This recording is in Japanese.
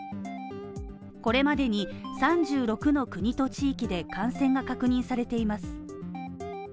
これまでに３６の国と地域で感染が確認されています。